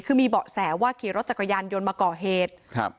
คือมีเบาะแสว่าขี่รถจักรยานยนต์มาก่อเหตุครับ